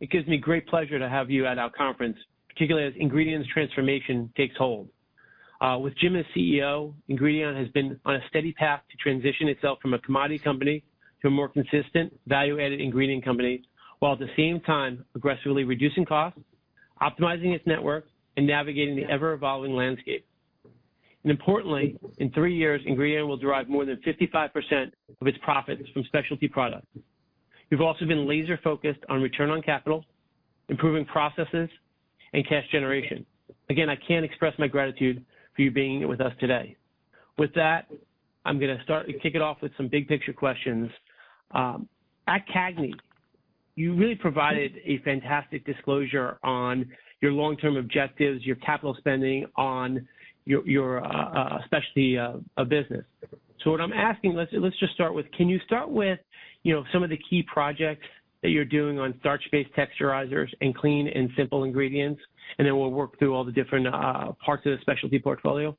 It gives me great pleasure to have you at our conference, particularly as Ingredion's transformation takes hold. With Jim as CEO, Ingredion has been on a steady path to transition itself from a commodity company to a more consistent value-added ingredient company, while at the same time aggressively reducing costs, optimizing its network, and navigating the ever-evolving landscape. Importantly, in three years, Ingredion will derive more than 55% of its profits from specialty products. You've also been laser-focused on return on capital, improving processes, and cash generation. Again, I can't express my gratitude for you being with us today. With that, I'm going to start to kick it off with some big picture questions. At CAGNY, you really provided a fantastic disclosure on your long-term objectives, your capital spending on your specialty business. What I'm asking, can you start with some of the key projects that you're doing on Starch-Based Texturizers and Clean and Simple ingredients? Then we'll work through all the different parts of the specialty portfolio.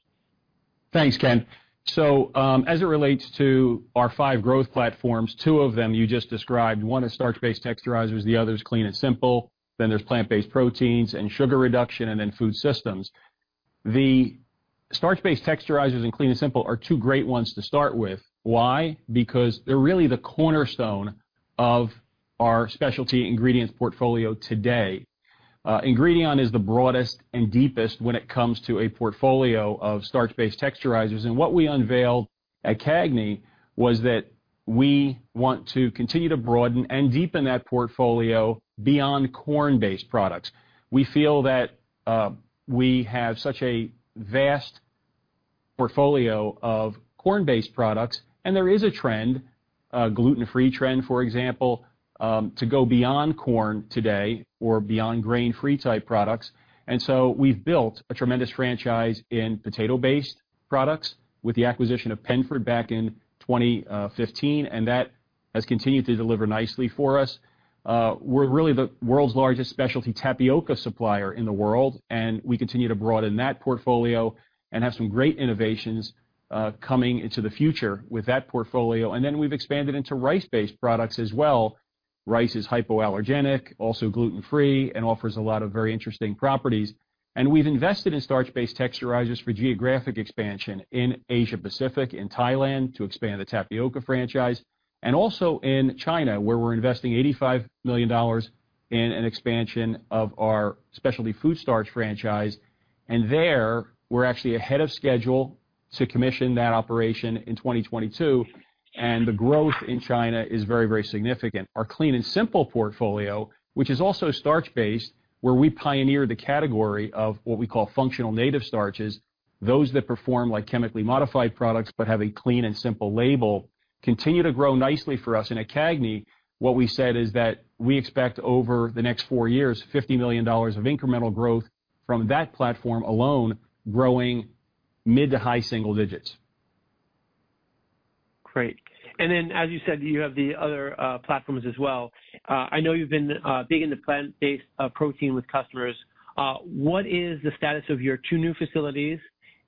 Thanks, Ken. As it relates to our five growth platforms, two of them you just described. One is Starch-Based Texturizers, the other is Clean and Simple. There's Plant-Based Proteins and Sugar Reduction, and then food systems. The Starch-Based Texturizers and Clean and Simple are two great ones to start with. Why? Because they're really the cornerstone of our specialty ingredients portfolio today. Ingredion is the broadest and deepest when it comes to a portfolio of Starch-Based Texturizers. What we unveiled at CAGNY was that we want to continue to broaden and deepen that portfolio beyond corn-based products. We feel that we have such a vast portfolio of corn-based products, and there is a trend, a gluten-free trend, for example, to go beyond corn today or beyond grain-free type products. We've built a tremendous franchise in potato-based products with the acquisition of Penford back in 2015, and that has continued to deliver nicely for us. We're really the world's largest specialty tapioca supplier in the world, and we continue to broaden that portfolio and have some great innovations coming into the future with that portfolio. We've expanded into rice-based products as well. Rice is hypoallergenic, also gluten-free, and offers a lot of very interesting properties. We've invested in Starch-Based Texturizers for geographic expansion in Asia Pacific, in Thailand, to expand the tapioca franchise. Also in China, where we're investing $85 million in an expansion of our specialty food starch franchise. There, we're actually ahead of schedule to commission that operation in 2022. The growth in China is very significant. Our Clean and simple portfolio, which is also starch-based, where we pioneer the category of what we call functional native starches, those that perform like chemically modified products but have a Clean and Simple label, continue to grow nicely for us. At CAGNY, what we said is that we expect over the next four years, $50 million of incremental growth from that platform alone, growing mid to high single-digits. Great. Then, as you said, you have the other platforms as well. I know you've been big into Plant-Based Protein with customers. What is the status of your two new facilities,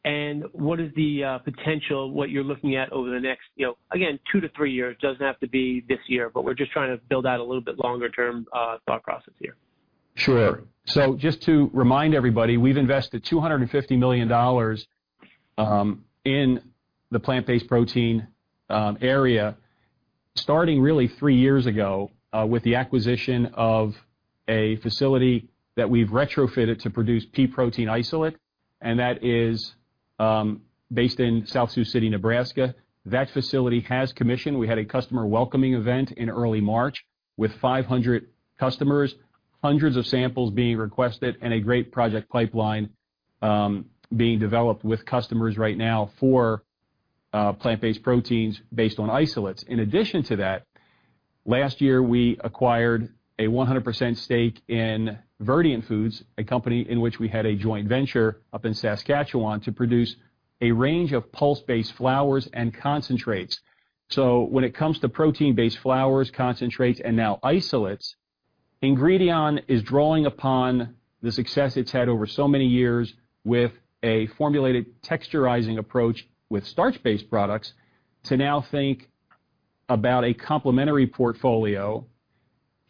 and what is the potential of what you're looking at over the next, again, two to three years? It doesn't have to be this year, but we're just trying to build out a little bit longer-term thought process here. Sure. Just to remind everybody, we've invested $250 million in the Plant-Based Proteins area, starting really three years ago with the acquisition of a facility that we've retrofitted to produce pea protein isolate, and that is based in South Sioux City, Nebraska. That facility has commissioned. We had a customer welcoming event in early March with 500 customers, hundreds of samples being requested, and a great project pipeline being developed with customers right now for Plant-Based Proteins based on isolates. In addition to that, last year, we acquired a 100% stake in Verdient Foods, a company in which we had a joint venture up in Saskatchewan to produce a range of pulse-based flours and concentrates. When it comes to protein-based flours, concentrates, and now isolates, Ingredion is drawing upon the success it's had over so many years with a formulated texturizing approach with starch-based products to now think about a complementary portfolio,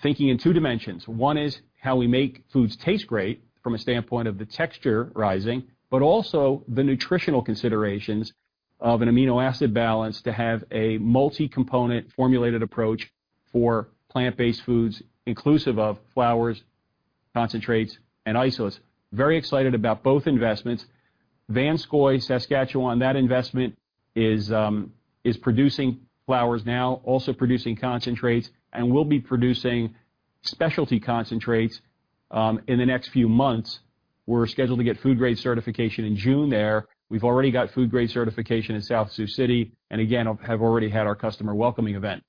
thinking in two dimensions. One is how we make foods taste great from a standpoint of the texturizing, but also the nutritional considerations of an amino acid balance to have a multi-component formulated approach for plant-based foods, inclusive of flours, concentrates, and isolates. Very excited about both investments. Vanscoy, Saskatchewan, that investment is producing flours now, also producing concentrates and will be producing specialty concentrates in the next few months. We're scheduled to get food grade certification in June there. We've already got food grade certification in South Sioux City, and again, have already had our customer welcoming event.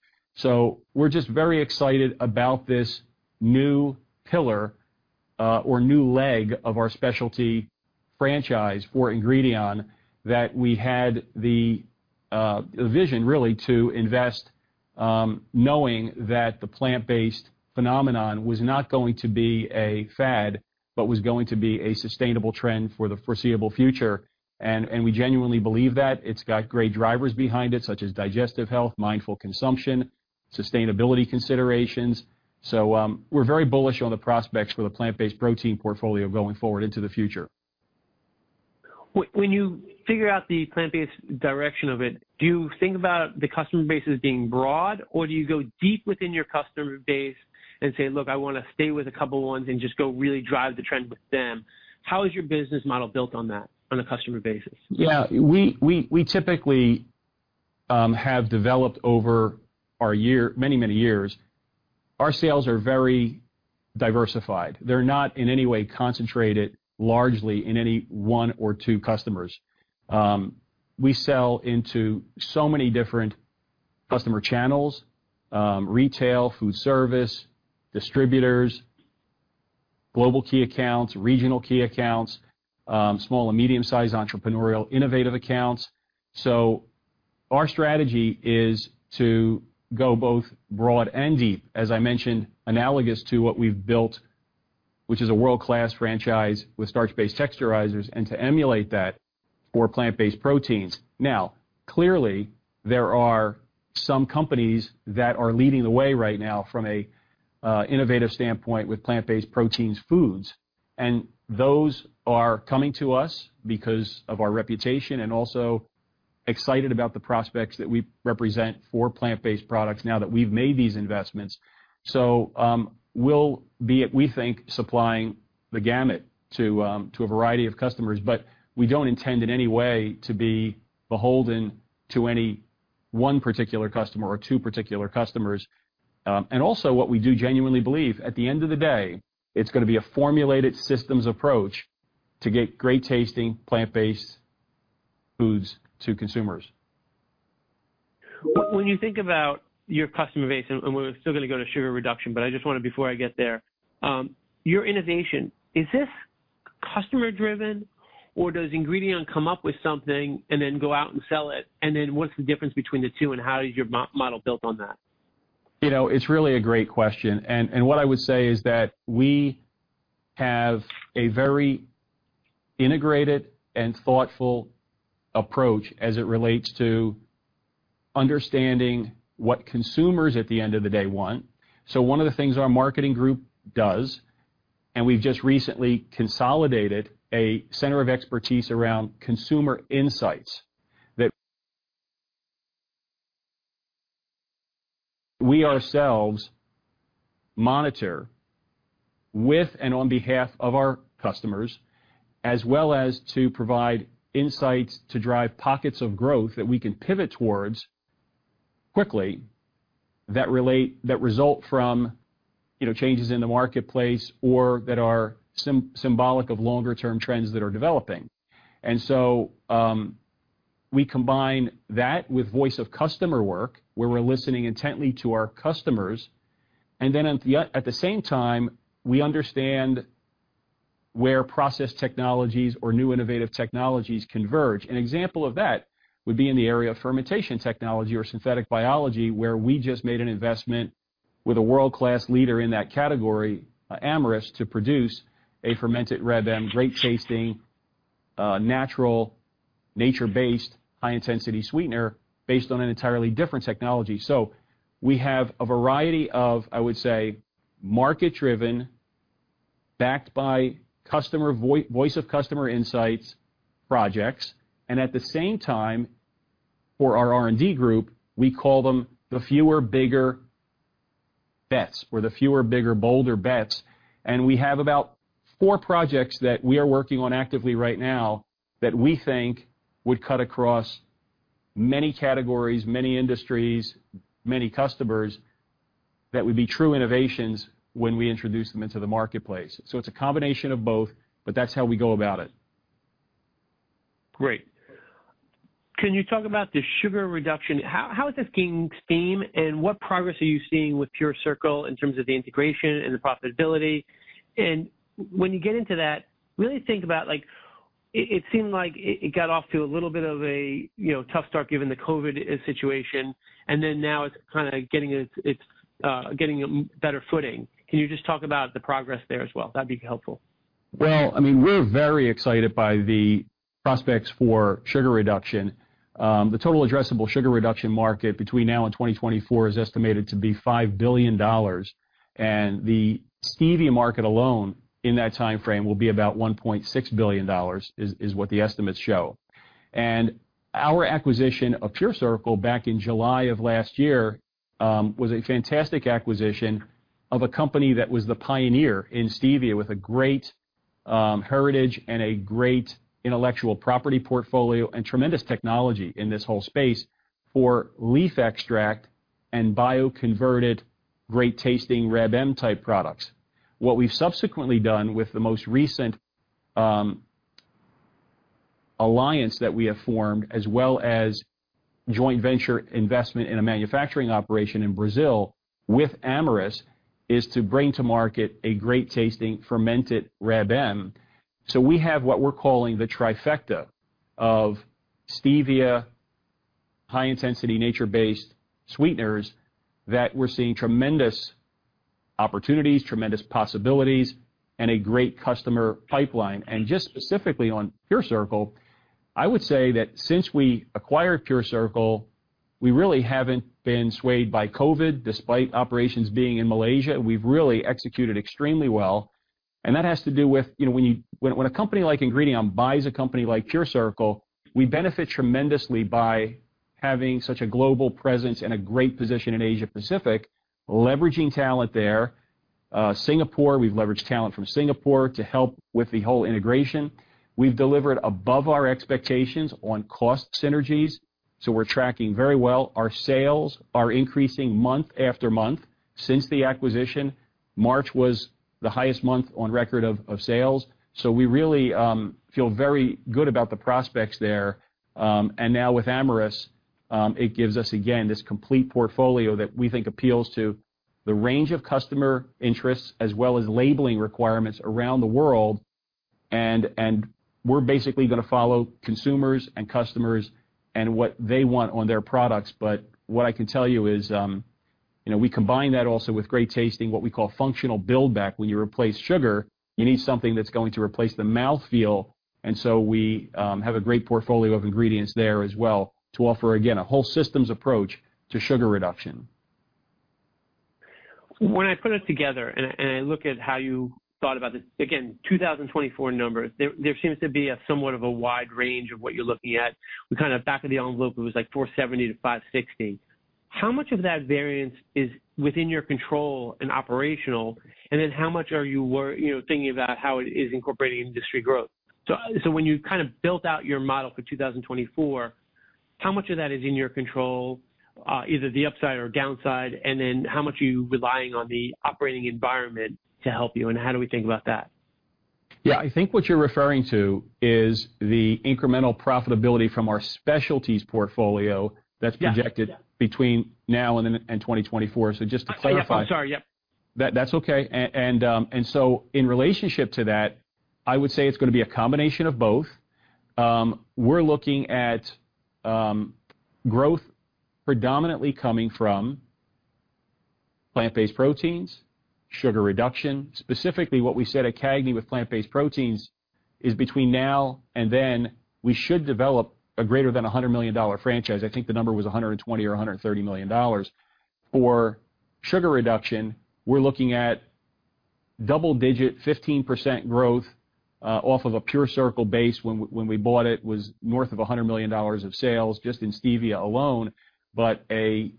We're just very excited about this new pillar or new leg of our specialty franchise for Ingredion, that we had the vision really to invest, knowing that the plant-based phenomenon was not going to be a fad, but was going to be a sustainable trend for the foreseeable future. We genuinely believe that it's got great drivers behind it, such as digestive health, mindful consumption, sustainability considerations. We're very bullish on the prospects for the plant-based protein portfolio going forward into the future. When you figure out the plant-based direction of it, do you think about the customer base as being broad, or do you go deep within your customer base and say, "Look, I want to stay with a couple ones and just go really drive the trend with them"? How is your business model built on that on a customer basis? Yeah. We typically have developed over many, many years. Our sales are very diversified. They're not in any way concentrated largely in any one or two customers. We sell into so many different customer channels, retail, food service, distributors, global key accounts, regional key accounts, small and medium-sized entrepreneurial innovative accounts. Our strategy is to go both broad and deep, as I mentioned, analogous to what we've built, which is a world-class franchise with Starch-Based Texturizers, and to emulate that for Plant-Based Proteins. Clearly, there are some companies that are leading the way right now from an innovative standpoint with Plant-Based Proteins foods, and those are coming to us because of our reputation and also excited about the prospects that we represent for plant-based products now that we've made these investments. We'll be, we think, supplying the gamut to a variety of customers. We don't intend in any way to be beholden to any one particular customer or two particular customers. Also what we do genuinely believe, at the end of the day, it's going to be a formulated systems approach to get great tasting plant-based foods to consumers. When you think about your customer base, and we're still going to go to Sugar Reduction, but I just wanted before I get there, your innovation, is this customer-driven or does Ingredion come up with something and then go out and sell it? What's the difference between the two and how is your model built on that? It's really a great question. What I would say is that we have a very integrated and thoughtful approach as it relates to understanding what consumers at the end of the day want. One of the things our marketing group does, and we just recently consolidated a center of expertise around consumer insights that we ourselves monitor with and on behalf of our customers, as well as to provide insights to drive pockets of growth that we can pivot towards quickly that result from changes in the marketplace or that are symbolic of longer-term trends that are developing. We combine that with voice of customer work, where we're listening intently to our customers. At the same time, we understand where process technologies or new innovative technologies converge. An example of that would be in the area of fermentation technology or synthetic biology, where we just made an investment with a world-class leader in that category, Amyris, to produce a fermented Reb M, great tasting, natural, nature-based, high-intensity sweetener based on an entirely different technology. We have a variety of, I would say, market-driven, backed by voice of customer insights projects. At the same time for our R&D group, we call them the fewer, bigger bets or the fewer, bigger, bolder bets. We have about four projects that we are working on actively right now that we think would cut across many categories, many industries, many customers that would be true innovations when we introduce them into the marketplace. It's a combination of both, but that's how we go about it. Great. Can you talk about the Sugar Reduction? How is this theme and what progress are you seeing with PureCircle in terms of the integration and the profitability? When you get into that, really think about, it seemed like it got off to a little bit of a tough start given the COVID situation, and then now it's kind of getting a better footing. Can you just talk about the progress there as well? That'd be helpful. Well, we're very excited by the prospects for Sugar Reduction. The total addressable Sugar Reduction market between now and 2024 is estimated to be $5 billion. The stevia market alone in that timeframe will be about $1.6 billion is what the estimates show. Our acquisition of PureCircle back in July of last year, was a fantastic acquisition of a company that was the pioneer in stevia with a great heritage and a great intellectual property portfolio and tremendous technology in this whole space for leaf extract and bioconverted great tasting Reb M type products. What we've subsequently done with the most recent alliance that we have formed, as well as joint venture investment in a manufacturing operation in Brazil with Amyris, is to bring to market a great tasting fermented Reb M. We have what we're calling the trifecta of stevia high-intensity nature-based sweeteners that we're seeing tremendous opportunities, tremendous possibilities, and a great customer pipeline. Just specifically on PureCircle, I would say that since we acquired PureCircle, we really haven't been swayed by COVID, despite operations being in Malaysia. We've really executed extremely well. That has to do with when a company like Ingredion buys a company like PureCircle, we benefit tremendously by having such a global presence and a great position in Asia Pacific, leveraging talent there. Singapore, we've leveraged talent from Singapore to help with the whole integration. We've delivered above our expectations on cost synergies. We're tracking very well. Our sales are increasing month after month since the acquisition. March was the highest month on record of sales. We really feel very good about the prospects there. Now with Amyris, it gives us, again, this complete portfolio that we think appeals to the range of customer interests as well as labeling requirements around the world. We're basically going to follow consumers and customers and what they want on their products. What I can tell you is we combine that also with great tasting, what we call functional build back. When you replace sugar, you need something that's going to replace the mouthfeel. We have a great portfolio of ingredients there as well to offer, again, a whole systems approach to Sugar Reduction. When I put it together and I look at how you thought about this, again, 2024 numbers, there seems to be a somewhat of a wide range of what you're looking at. Back of the envelope, it was like $470-$560. How much of that variance is within your control and operational? How much are you thinking about how it is incorporating industry growth? When you built out your model for 2024, how much of that is in your control, either the upside or downside, and then how much are you relying on the operating environment to help you, and how do we think about that? Yeah, I think what you're referring to is the incremental profitability from our specialties portfolio that's projected between now and 2024. Just to clarify. I'm sorry, yeah. That's okay. In relationship to that, I would say it's going to be a combination of both. We're looking at growth predominantly coming from Plant-Based Proteins, Sugar Reduction. Specifically, what we said at CAGNY with Plant-Based Proteins is between now and then, we should develop a greater than $100 million franchise. I think the number was $120 million or $130 million. For Sugar Reduction, we're looking at double-digit 15% growth off of a PureCircle base when we bought it was north of $100 million of sales just in stevia alone, but an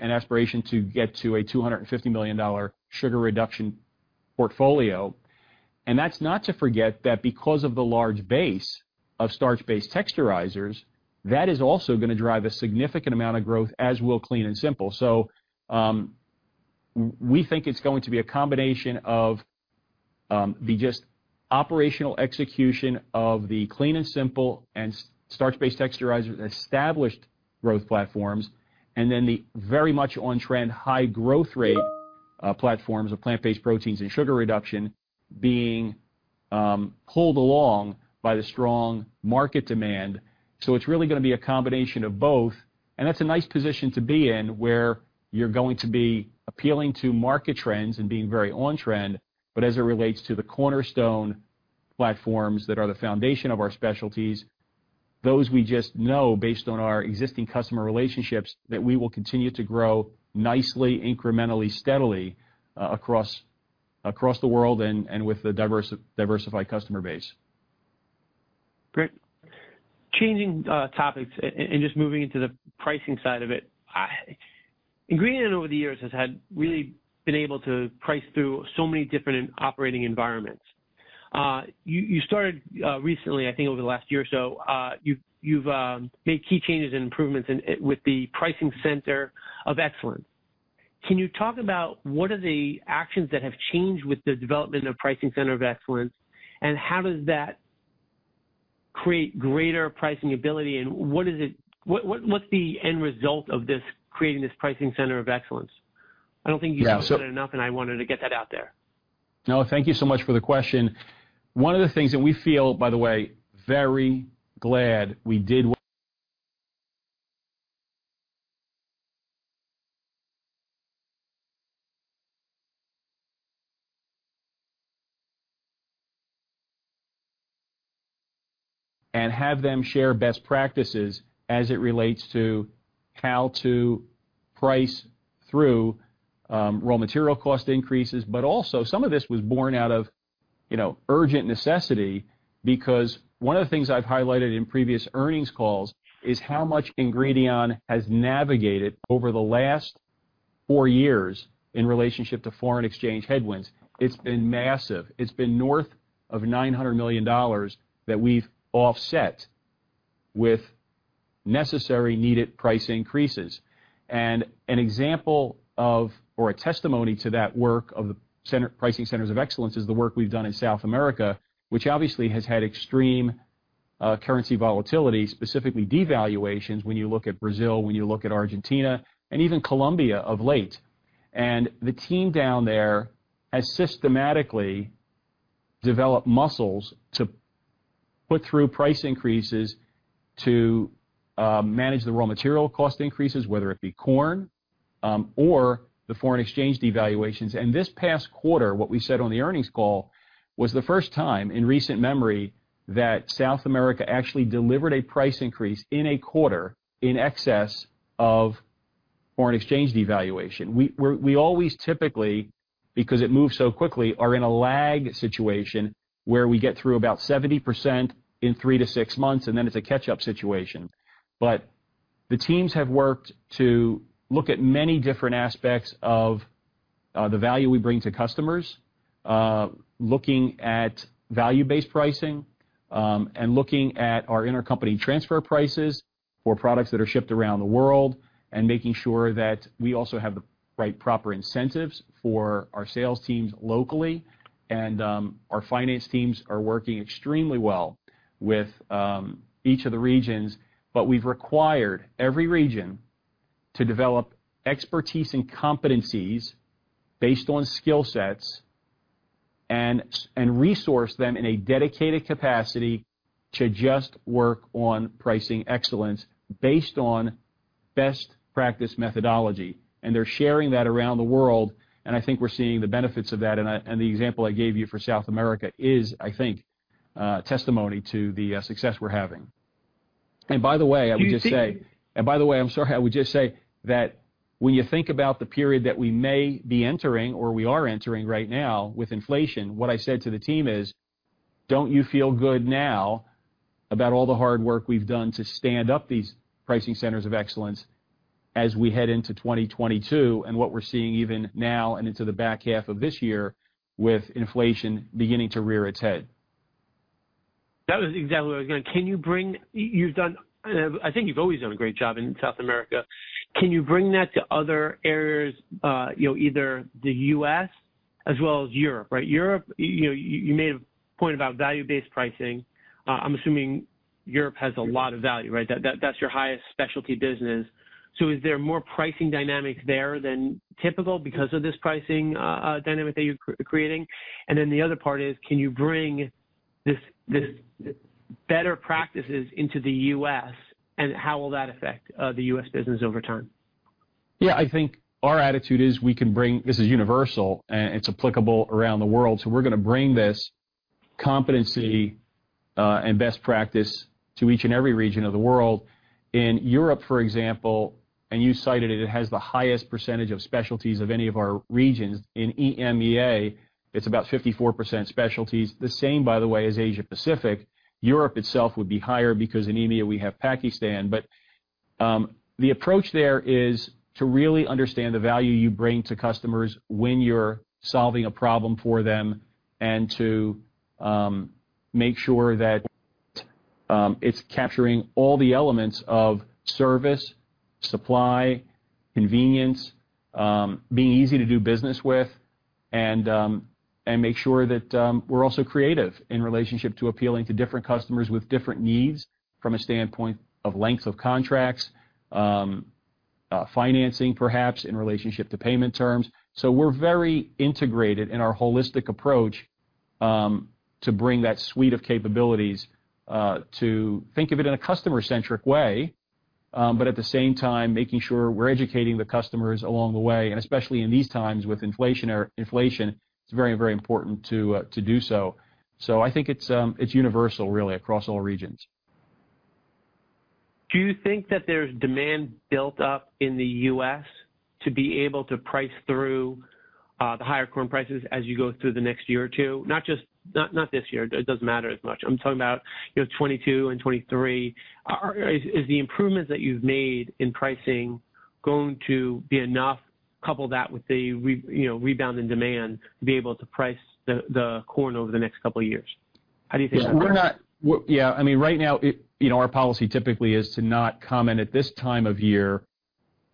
aspiration to get to a $250 million Sugar Reduction portfolio. That's not to forget that because of the large base of Starch-Based Texturizers, that is also going to drive a significant amount of growth as will Clean and Simple. We think it's going to be a combination of the just operational execution of the Clean and Simple and Starch-Based Texturizers established growth platforms, and then the very much on-trend high growth rate platforms of Plant-Based Proteins and Sugar Reduction being pulled along by the strong market demand. It's really going to be a combination of both. That's a nice position to be in where you're going to be appealing to market trends and being very on-trend. As it relates to the cornerstone platforms that are the foundation of our specialties, those we just know based on our existing customer relationships that we will continue to grow nicely, incrementally, steadily across the world and with the diversified customer base. Great. Changing topics and just moving into the pricing side of it. Ingredion over the years has really been able to price through so many different operating environments. You started recently, I think over the last year or so, you've made key changes and improvements with the Pricing Center of Excellence. Can you talk about what are the actions that have changed with the development of Pricing Center of Excellence, and how does that create greater pricing ability? What's the end result of creating this Pricing Center of Excellence? I don't think you've said it enough, and I wanted to get that out there. No, thank you so much for the question. One of the things that we feel, by the way, very glad we did and have them share best practices as it relates to how to price through raw material cost increases. Also some of this was born out of urgent necessity because one of the things I've highlighted in previous earnings calls is how much Ingredion has navigated over the last four years in relationship to foreign exchange headwinds. It's been massive. It's been north of $900 million that we've offset with necessary needed price increases. An example of or a testimony to that work of the Pricing Center of Excellence is the work we've done in South America, which obviously has had extreme currency volatility, specifically devaluations when you look at Brazil, when you look at Argentina, and even Colombia of late. The team down there has systematically develop muscles to put through price increases to manage the raw material cost increases, whether it be corn or the foreign exchange devaluations. This past quarter, what we said on the earnings call was the first time in recent memory that South America actually delivered a price increase in a quarter in excess of foreign exchange devaluation. We always typically, because it moves so quickly, are in a lag situation where we get through about 70% in three to six months, and then it's a catch-up situation. The teams have worked to look at many different aspects of the value we bring to customers, looking at value-based pricing, and looking at our intercompany transfer prices for products that are shipped around the world and making sure that we also have the right proper incentives for our sales teams locally. Our finance teams are working extremely well with each of the regions. We've required every region to develop expertise and competencies based on skill sets and resource them in a dedicated capacity to just work on pricing excellence based on best practice methodology. They're sharing that around the world, and I think we're seeing the benefits of that. The example I gave you for South America is, I think, testimony to the success we're having. By the way, I would just say that when you think about the period that we may be entering or we are entering right now with inflation, what I said to the team is, "Don't you feel good now about all the hard work we've done to stand up these Pricing Centers of Excellence as we head into 2022 and what we're seeing even now and into the back half of this year with inflation beginning to rear its head? That was exactly. Again, I think you've always done a great job in South America. Can you bring that to other areas, either the U.S. as well as Europe, right? You may have pointed out value-based pricing. I'm assuming Europe has a lot of value. That's your highest specialty business. Is there more pricing dynamic there than typical because of this pricing dynamic that you're creating? The other part is, can you bring these better practices into the U.S., and how will that affect the U.S. business over time? I think our attitude is this is universal, and it's applicable around the world. We're going to bring this competency and best practice to each and every region of the world. In Europe, for example, and you cited it has the highest percentage of specialties of any of our regions. In EMEA, it's about 54% specialties. The same, by the way, as Asia-Pacific. Europe itself would be higher because in EMEA, we have Pakistan. The approach there is to really understand the value you bring to customers when you're solving a problem for them and to make sure that it's capturing all the elements of service, supply, convenience, being easy to do business with, and make sure that we're also creative in relationship to appealing to different customers with different needs from a standpoint of lengths of contracts, financing perhaps in relationship to payment terms. We're very integrated in our holistic approach to bring that suite of capabilities to think of it in a customer-centric way. At the same time, making sure we're educating the customers along the way, and especially in these times with inflation, it's very, very important to do so. I think it's universal really across all regions. Do you think that there's demand built up in the U.S. to be able to price through the higher corn prices as you go through the next year or two? Not this year. It doesn't matter as much. I'm talking about 2022 and 2023. Is the improvements that you've made in pricing going to be enough, couple that with a rebound in demand to be able to price the corn over the next couple of years? How do you think about that? Right now, our policy typically is to not comment at this time of year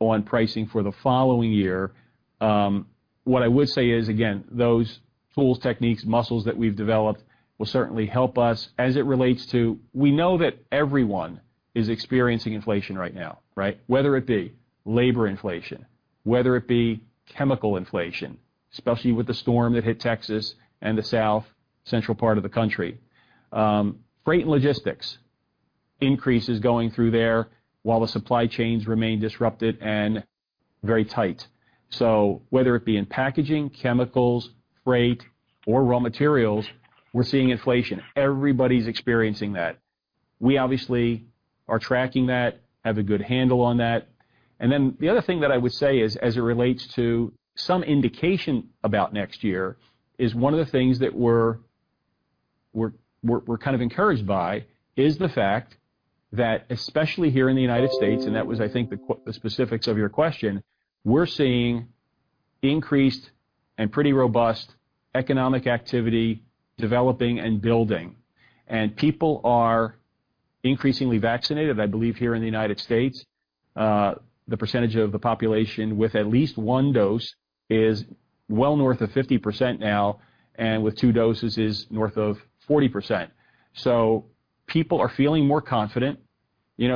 on pricing for the following year. What I would say is, again, those tools, techniques, muscles that we've developed will certainly help us as it relates to, we know that everyone is experiencing inflation right now. Whether it be labor inflation, whether it be chemical inflation, especially with the storm that hit Texas and the South Central part of the country. Freight logistics increases going through there while the supply chains remain disrupted and very tight. Whether it be in packaging, chemicals, freight, or raw materials, we're seeing inflation. Everybody's experiencing that. We obviously are tracking that, have a good handle on that. The other thing that I would say is, as it relates to some indication about next year, is one of the things that we're kind of encouraged by is the fact that especially here in the U.S., and that was, I think, the specifics of your question, we're seeing increased and pretty robust economic activity developing and building, and people are increasingly vaccinated. I believe here in the U.S., the percentage of the population with at least one dose is well north of 50% now, and with two doses is north of 40%. People are feeling more confident.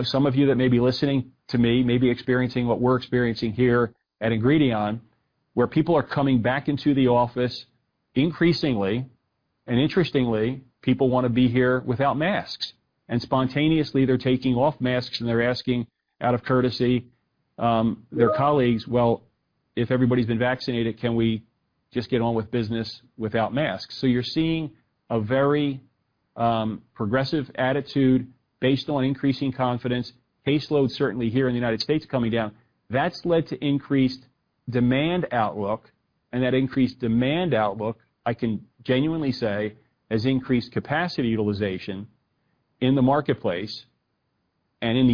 Some of you that may be listening to me may be experiencing what we're experiencing here at Ingredion, where people are coming back into the office increasingly, and interestingly, people want to be here without masks. Spontaneously, they're taking off masks, and they're asking out of courtesy, their colleagues, "Well, if everybody's been vaccinated, can we just get on with business without masks?" You're seeing a very progressive attitude based on increasing confidence, caseloads certainly here in the United States coming down. That's led to increased demand outlook, and that increased demand outlook, I can genuinely say, has increased capacity utilization in the marketplace and in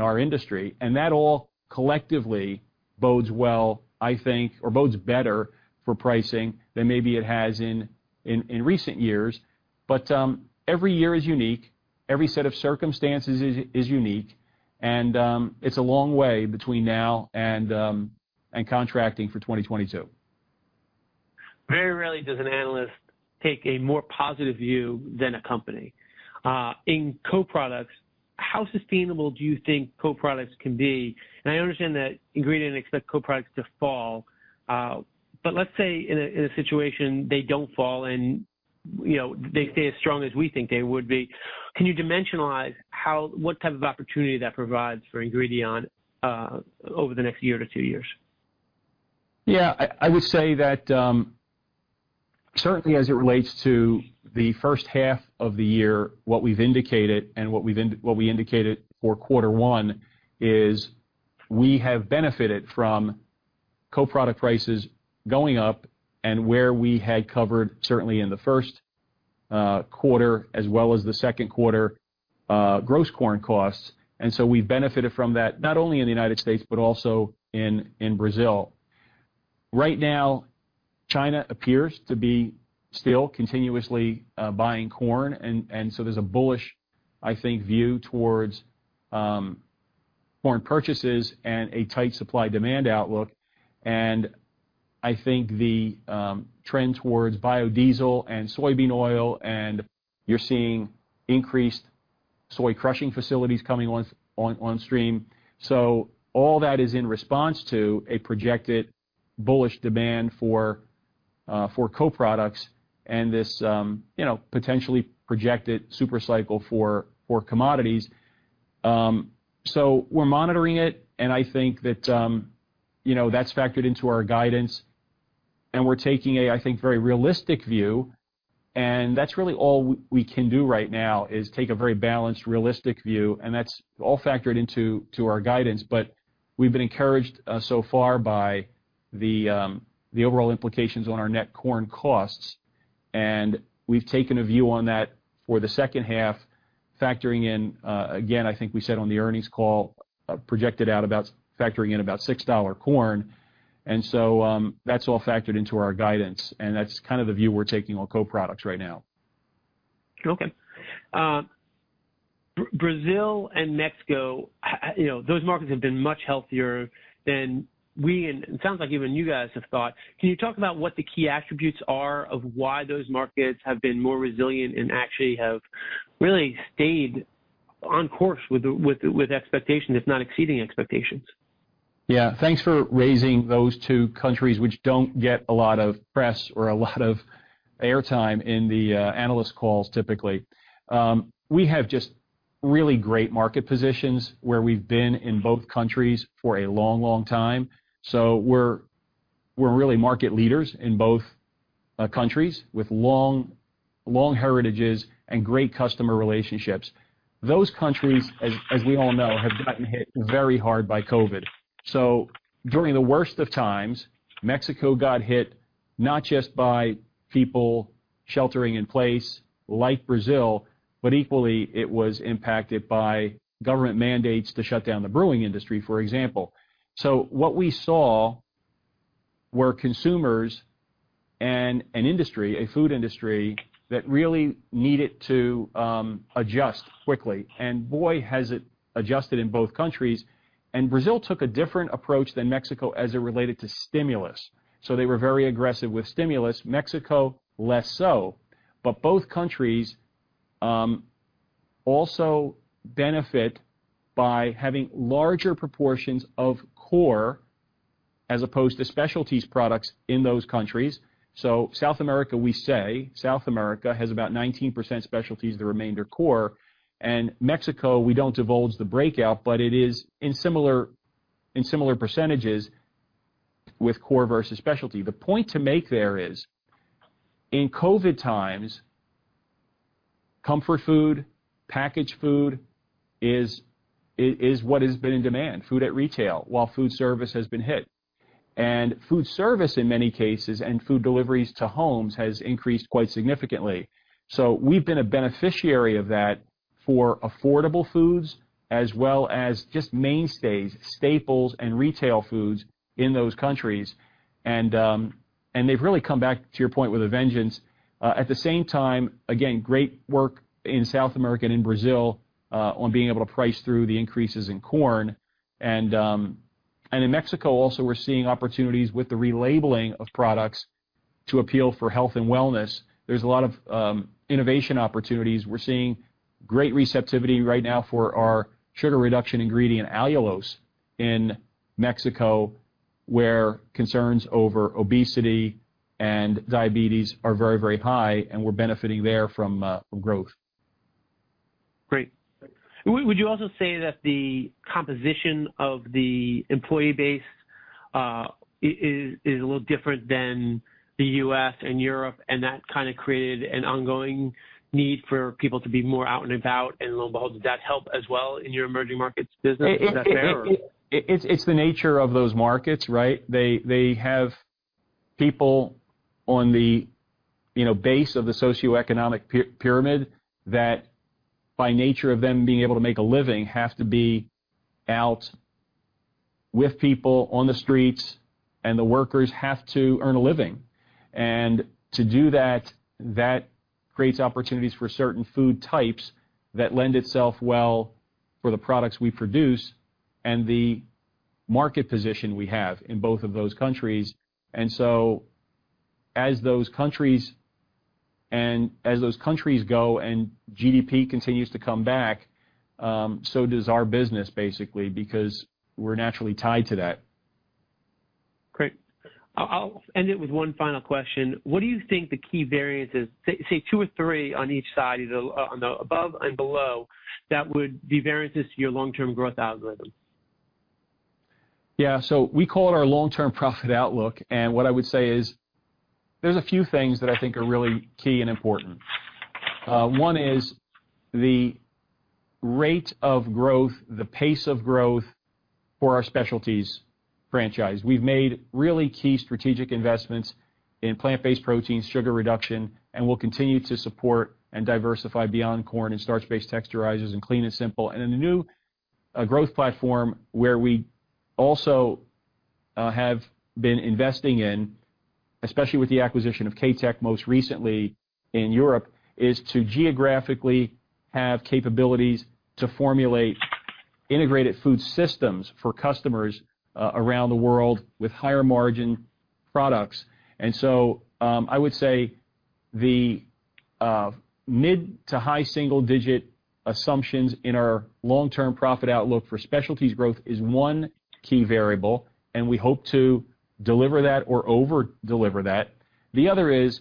our industry. That all collectively bodes well, I think, or bodes better for pricing than maybe it has in recent years. Every year is unique, every set of circumstances is unique, and it's a long way between now and contracting for 2022. Very rarely does an analyst take a more positive view than a company. In co-products, how sustainable do you think co-products can be? I understand that Ingredion expects co-products to fall. Let's say in a situation they don't fall and they stay as strong as we think they would be. Can you dimensionalize what kind of opportunity that provides for Ingredion over the next year to two years? I would say that certainly as it relates to the first half of the year, what we've indicated and what we indicated for quarter one is we have benefited from co-product prices going up and where we had covered certainly in the first quarter as well as the second quarter gross corn costs. We benefited from that, not only in the U.S. but also in Brazil. Right now, China appears to be still continuously buying corn, there's a bullish, I think, view towards corn purchases and a tight supply-demand outlook. I think the trend towards biodiesel and soybean oil, and you're seeing increased soy crushing facilities coming on stream. All that is in response to a projected bullish demand for co-products and this potentially projected super cycle for commodities. We're monitoring it, and I think that's factored into our guidance and we're taking a, I think, very realistic view, and that's really all we can do right now is take a very balanced, realistic view, and that's all factored into our guidance. We've been encouraged so far by the overall implications on our net corn costs, and we've taken a view on that for the second half, factoring in, again, I think we said on the earnings call, projected out about factoring in about $6 corn. That's all factored into our guidance, and that's kind of the view we're taking on co-products right now. Okay. Brazil and Mexico, those markets have been much healthier than we, and it sounds like even you guys have thought. Can you talk about what the key attributes are of why those markets have been more resilient and actually have really stayed on course with expectations, if not exceeding expectations? Yeah. Thanks for raising those two countries, which don't get a lot of press or a lot of airtime in the analyst calls typically. We have just really great market positions where we've been in both countries for a long time. We're really market leaders in both countries with long heritages and great customer relationships. Those countries, as we all know, have gotten hit very hard by COVID. During the worst of times, Mexico got hit not just by people sheltering in place like Brazil, but equally it was impacted by government mandates to shut down the brewing industry, for example. What we saw were consumers and an industry, a food industry, that really needed to adjust quickly. Boy, has it adjusted in both countries. Brazil took a different approach than Mexico as it related to stimulus. They were very aggressive with stimulus, Mexico less so. Both countries also benefit by having larger proportions of core as opposed to specialties products in those countries. South America, we say South America has about 19% specialties, the remainder core, and Mexico, we don't divulge the breakout, but it is in similar percentages with core versus specialty. The point to make there is in COVID, comfort food, packaged food is what has been in demand, food at retail, while food service has been hit. Food service in many cases and food deliveries to homes has increased quite significantly. We've been a beneficiary of that for affordable foods as well as just mainstays, staples, and retail foods in those countries. They've really come back, to your point, with a vengeance. At the same time, again, great work in South America and Brazil on being able to price through the increases in corn. In Mexico also, we're seeing opportunities with the relabeling of products to appeal for health and wellness, there's a lot of innovation opportunities. We're seeing great receptivity right now for our Sugar Reduction ingredient, allulose, in Mexico, where concerns over obesity and diabetes are very high, and we're benefiting there from growth. Great. Would you also say that the composition of the employee base is a little different than the U.S. and Europe, and that kind of created an ongoing need for people to be more out and about, and will that help as well in your emerging markets business? Is that fair? It's the nature of those markets, right? They have people on the base of the socioeconomic pyramid that by nature of them being able to make a living have to be out with people on the streets and the workers have to earn a living. To do that creates opportunities for certain food types that lend itself well for the products we produce and the market position we have in both of those countries. As those countries go and GDP continues to come back, so does our business basically because we're naturally tied to that. Great. I'll end it with one final question. What do you think the key variances, say two or three on each side, either on the above and below, that would be variances to your long-term growth algorithm? Yeah. We call it our long-term profit outlook. What I would say is there's a few things that I think are really key and important. One is the rate of growth, the pace of growth for our specialties franchise. We've made really key strategic investments in Plant-Based Protein, Sugar Reduction, and we'll continue to support and diversify beyond corn and Starch-Based Texturizers and Clean and Simple. A new growth platform where we also have been investing in, especially with the acquisition of KaTech most recently in Europe, is to geographically have capabilities to formulate integrated food systems for customers around the world with higher margin products. I would say the mid to high single digit assumptions in our long-term profit outlook for specialties growth is one key variable, and we hope to deliver that or over-deliver that. The other is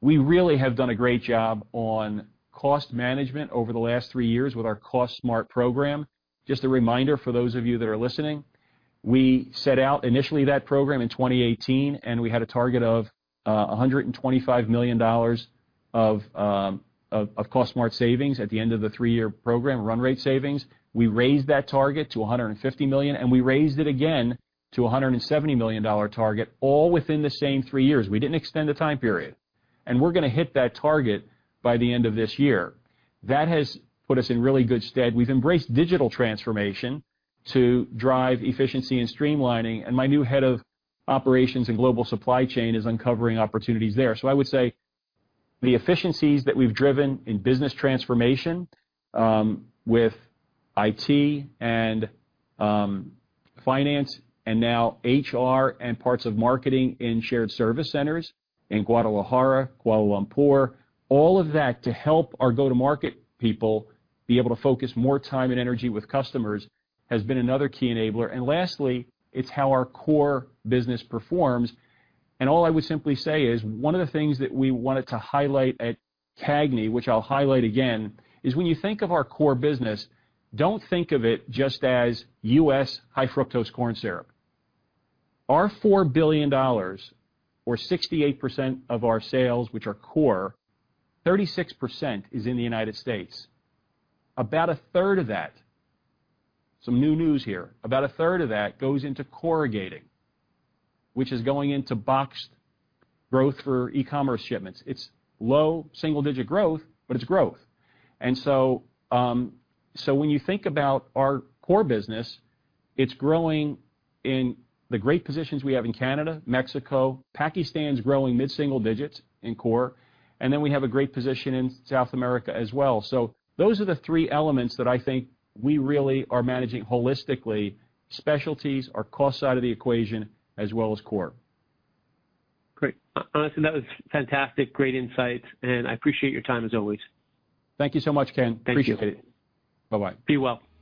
we really have done a great job on cost management over the last three years with our Cost Smart program. Just a reminder for those of you that are listening, we set out initially that program in 2018 and we had a target of $125 million of Cost Smart savings at the end of the three-year program, run rate savings. We raised that target to $150 million and we raised it again to $170 million target all within the same three years. We didn't extend the time period. We're going to hit that target by the end of this year. That has put us in really good stead. We've embraced digital transformation to drive efficiency and streamlining and my new head of operations and global supply chain is uncovering opportunities there. I would say the efficiencies that we've driven in business transformation with IT and finance and now HR and parts of marketing in shared service centers in Guadalajara, Kuala Lumpur, all of that to help our go-to-market people be able to focus more time and energy with customers has been another key enabler. Lastly, it's how our core business performs. All I would simply say is one of the things that we wanted to highlight at CAGNY, which I'll highlight again, is when you think of our core business, don't think of it just as U.S. high fructose corn syrup. Our $4 billion or 68% of our sales which are core, 36% is in the United States. About 1/3 of that, some new news here, about 1/3 of that goes into corrugating, which is going into boxed growth for e-commerce shipments. It's low single-digit growth, but it's growth. When you think about our core business, it's growing in the great positions we have in Canada, Mexico. Pakistan's growing mid-single digits in core, and then we have a great position in South America as well. Those are the three elements that I think we really are managing holistically, specialties, our cost side of the equation, as well as core. Great. Jim, that was fantastic. Great insights and I appreciate your time as always. Thank you so much, Ken. Appreciate it. Thank you. Bye-bye. Be well.